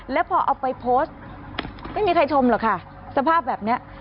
แล้วพอเอาไปโพสต์ไม่มีใครชมหรอกค่ะสภาพแบบนี้